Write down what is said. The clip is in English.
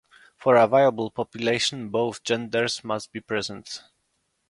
For a viable population both genders must be present.